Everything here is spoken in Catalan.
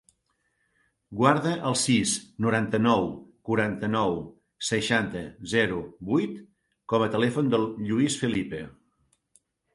Guarda el sis, noranta-nou, quaranta-nou, seixanta, zero, vuit com a telèfon del Lluís Felipe.